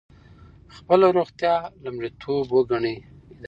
خپله روغتیا لومړیتوب وګڼئ.